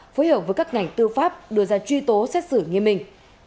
phối hợp với các ngành tư pháp đưa ra truy tố xét xử nghiêm minh